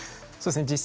そうですね